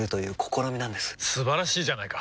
素晴らしいじゃないか！